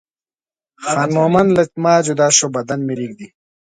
خان مومن له ما جدا شو بدن مې رېږدي.